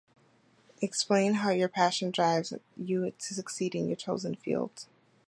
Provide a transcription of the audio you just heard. Explain how your passion drives you to succeed in your chosen field.